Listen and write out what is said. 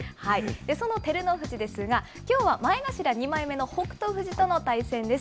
その照ノ富士ですが、きょうは前頭２枚目の北勝富士との対戦です。